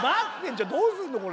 じゃあどうすんのこれ。